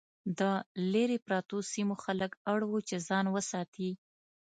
د لرې پرتو سیمو خلک اړ وو چې ځان وساتي.